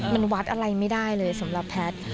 มันวัดอะไรไม่ได้เลยสำหรับแพทย์